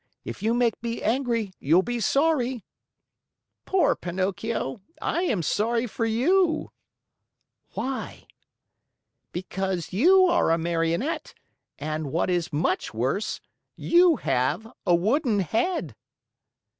If you make me angry, you'll be sorry!" "Poor Pinocchio, I am sorry for you." "Why?" "Because you are a Marionette and, what is much worse, you have a wooden head."